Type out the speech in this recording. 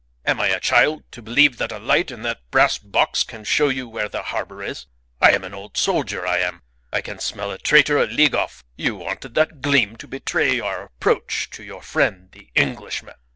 Am I a child to believe that a light in that brass box can show you where the harbour is? I am an old soldier, I am. I can smell a traitor a league off. You wanted that gleam to betray our approach to your friend the Englishman.